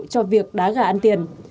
cho việc đá gà ăn tiền